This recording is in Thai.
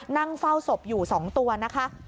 นั่งเฝ้าศพอยู่๒ตัวนะคะ